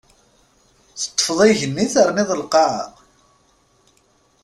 Teṭṭfeḍ igenni terniḍ lqaɛa!